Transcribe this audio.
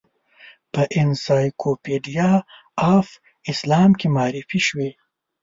په انسایکلوپیډیا آف اسلام کې معرفي شوې.